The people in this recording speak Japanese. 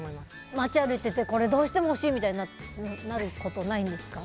街歩いてて、これどうしても欲しいってなることないんですか。